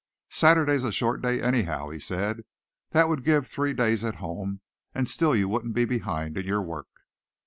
"Saturday's a short day, anyhow," he said. "That would give three days at home and still you wouldn't be behind in your work."